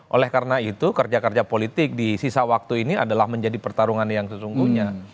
oleh karena itu kerja kerja politik di sisa waktu ini adalah menjadi pertarungan yang sesungguhnya